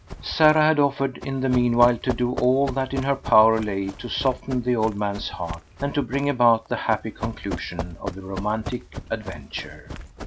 Sarah had offered in the meanwhile to do all that in her power lay to soften the old man's heart and to bring about the happy conclusion of the romantic adventure.